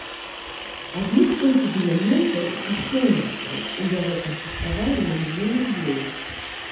Адных толькі дыяментаў і каштоўнасцяў у яго канфіскавалі на мільён рублёў.